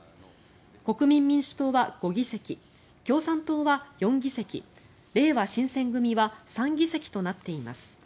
国民民主党は５議席共産党は４議席れいわ新選組は３議席となっています。